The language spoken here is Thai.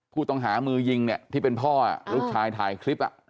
ผู้ต้องหามือยิงเนี่ยที่เป็นพ่อลูกชายถ่ายคลิป